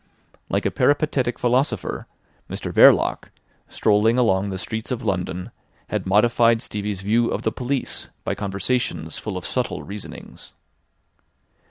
Like a peripatetic philosopher, Mr Verloc, strolling along the streets of London, had modified Stevie's view of the police by conversations full of subtle reasonings.